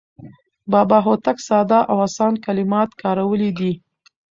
بابا هوتک ساده او اسان کلمات کارولي دي.